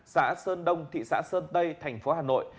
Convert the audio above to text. xã sơn đông thị xã sơn tây tp hà nội